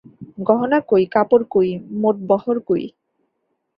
গহনা কই, কাপড় কই, মোটবহর কই?